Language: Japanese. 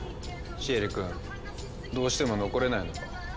シエリ君どうしても残れないのか。